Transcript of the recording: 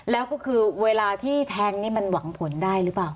แล้วก็คือเวลาที่แทงนี่มันหวังผลได้หรือเปล่า